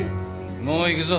もう行くぞ。